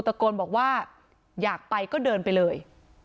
ตะโกนบอกว่าอยากไปก็เดินไปเลย